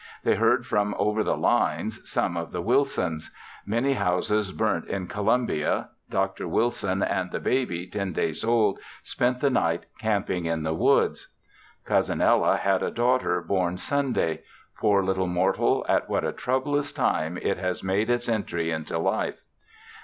They heard from over the lines, some of the Wilsons; many houses burnt in Columbia, Dr. Wilson and the baby, ten days old, spent the night camping in the woods. Cousin Ellen had a daughter born Sunday; poor little mortal, at what a troublous time it has made its entry into life!